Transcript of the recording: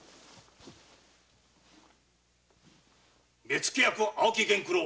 目付け役・青木源九郎